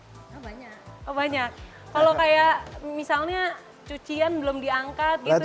kalau kayak misalnya cucian belum diangkat gitu